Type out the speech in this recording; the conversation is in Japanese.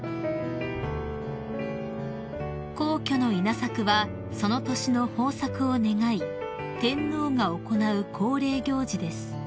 ［皇居の稲作はその年の豊作を願い天皇が行う恒例行事です］